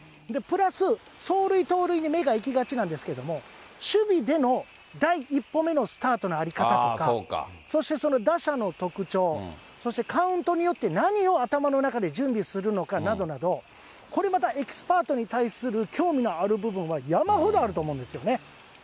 プラス、走塁、盗塁に目が行きがちなんですけれども、守備での第一歩目のスタートの在り方とか、そしてその打者の特徴、そしてカウントによって、何を頭の中で準備するのかなどなど、これまたエキスパートに対する興味のある部分は山ほどあると思うんですよね。